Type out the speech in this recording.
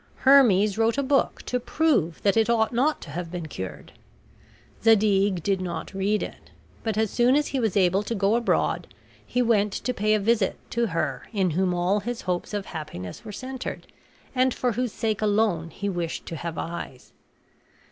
Hermes wrote a book to prove that it ought not to have been cured. Zadig did not read it; but, as soon as he was able to go abroad, he went to pay a visit to her in whom all his hopes of happiness were centered, and for whose sake alone he wished to have eyes.